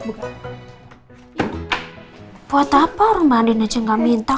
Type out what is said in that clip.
buat apa orang mbak andin aja nggak minta